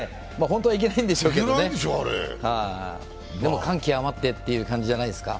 本当はいけないんでしょうけどね、でも、感極まってという感じじゃないですか。